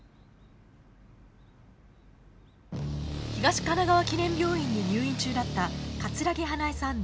東神奈川記念病院に入院中だった木花恵さん